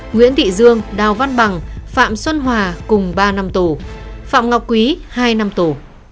nguyễn thị dương đào văn bằng phạm xuân hòa cùng ba năm tù phạm ngọc quý hai năm tù